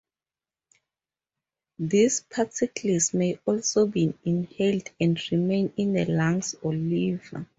These particles may also be inhaled and remain in the lungs or liver.